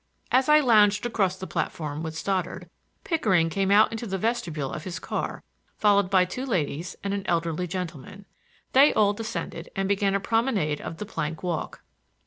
As I lounged across the platform with Stoddard, Pickering came out into the vestibule of his car, followed by two ladies and an elderly gentleman. They all descended and began a promenade of the plank walk.